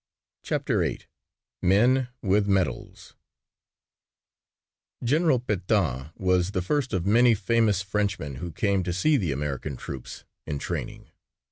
CHAPTER VIII MEN WITH MEDALS General Pétain was the first of many famous Frenchmen who came to see the American troops in training.